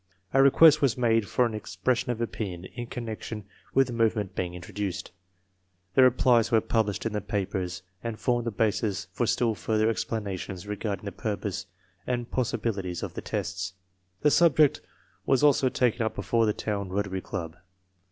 A request was made for an expression of opinion in connection with the movement being introduced. The replies were published in the papers and formed the basis for still further explanations regarding the purpose and possibilities of the tests. The subject was also taken up before the town Rotary Club.